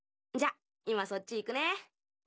じゃ今そっち行くね。